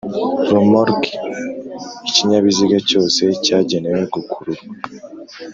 RomorokiIkinyabiziga cyose cyagenewe gukururwa